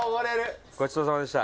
伊達：ごちそうさまでした。